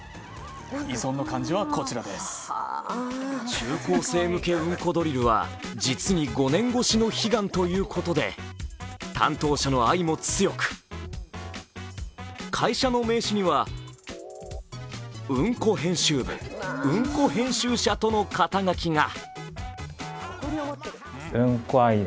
中高生向け「うんこドリル」は実に５年がかりの悲願ということで担当者の愛も強く、会社の名刺にはうんこ編集部、うんこ編集者との肩書が。